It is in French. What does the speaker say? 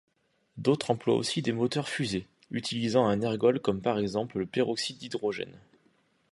D'autres emploient aussi des moteurs-fusées, utilisant un ergol comme par-exemple le peroxyde d'hydrogène.